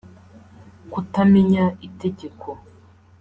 Kutamenya itegeko